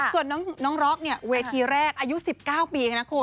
ส่วนน้องร็อกเวทีแรกอายุ๑๙ปีอย่างนั้นคุณ